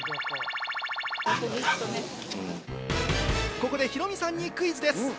ここでヒロミさんにクイズです。